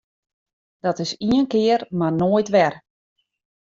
Dat is ien kear mar noait wer!